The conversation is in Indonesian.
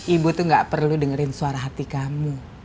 ibu tuh gak perlu dengerin suara hati kamu